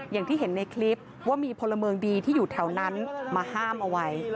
อย่างที่เห็นในคลิปว่ามีพลเมืองดีที่อยู่แถวนั้นมาห้ามเอาไว้